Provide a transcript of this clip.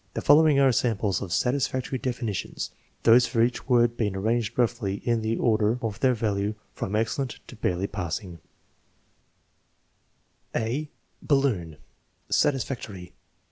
The following are samples of satisfactory definitions, those for each word being arranged roughly in the order of their value from excellent to barely passing: (a) Balloon Satisfactory.